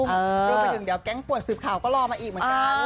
เรื่องประดิษฐ์เดียวแก๊งปวดสืบข่าวก็ล่อมาอีกเหมือนกัน